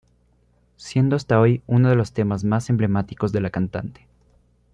Siendo hasta hoy uno de los temas más emblemáticos de la cantante.